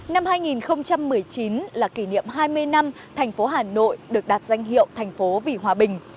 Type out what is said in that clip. năm hai nghìn một mươi chín là kỷ niệm hai mươi năm thành phố hà nội được đạt danh hiệu thành phố vì hòa bình